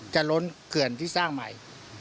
ล้นเขื่อนที่สร้างใหม่